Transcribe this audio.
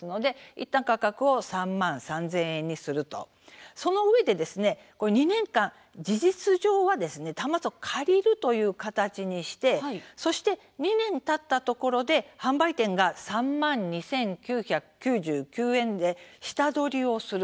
いったん価格を３万３０００円にしたうえでそのうえで、２年間で事実上借りるという形にしてそして、２年たったところで販売店が３万２９９９円分で下取りをする。